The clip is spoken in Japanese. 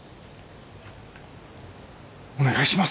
お願いします。